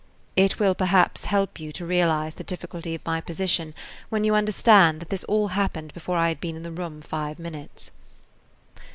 It will perhaps help you to realize the difficulty of my position when you understand that all this happened before I had been in the room five minutes.